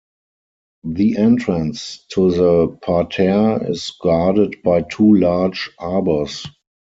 The entrance to the Parterre is guarded by two large arbors.